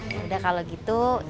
yaudah kalau gitu